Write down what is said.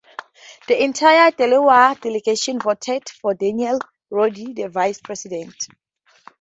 The entire Delaware delegation voted for Daniel Rodney for Vice President.